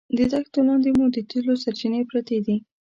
د دښتو لاندې مو د تېلو سرچینې پرتې دي.